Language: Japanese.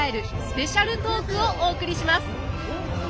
スペシャルトークをお送りします！